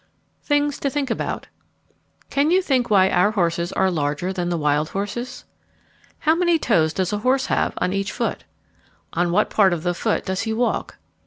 THINGS TO THINK ABOUT Can you think why our horses are larger than the wild horses? How many toes does a horse have on each foot? On what part of the foot does he walk?